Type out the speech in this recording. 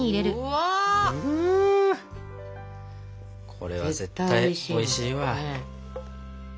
これは絶対おいしいわ。